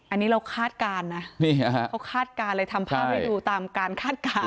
อันนี้เราคาดการณ์นะเขาคาดการณ์เลยทำภาพให้ดูตามการคาดการณ์